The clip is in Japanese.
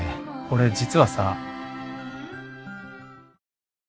俺実はさ。